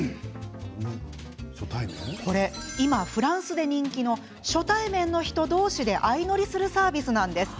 これ、実は今フランスで人気の初対面の人同士で相乗りするサービスなんです。